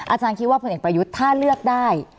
อาจารย์คิดว่าผลเอกประยุทธ์ถ้าเลือกได้